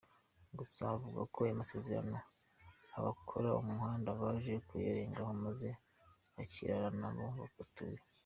Gusa avuga ko aya masezerano abakora umuhanda baje kuyarengaho, maze bakirara n’aho batuye.